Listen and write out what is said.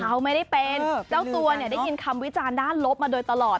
เขาไม่ได้เป็นเจ้าตัวเนี่ยได้ยินคำวิจารณ์ด้านลบมาโดยตลอด